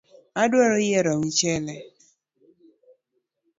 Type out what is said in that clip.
Adwa yiero michele